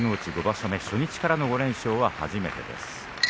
５場所目初日からの５連勝は初めて。